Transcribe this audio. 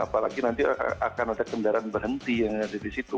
apalagi nanti akan ada kendaraan berhenti yang ada di situ